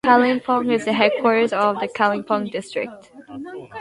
Kalimpong is the headquarters of the Kalimpong district.